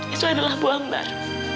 itu adalah bu ambar